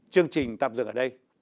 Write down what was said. chương trình tạm dừng ở đây